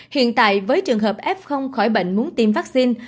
hiện tại với trường hợp f khỏi bệnh muốn tiêm vaccine